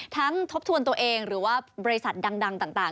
ทบทวนตัวเองหรือว่าบริษัทดังต่าง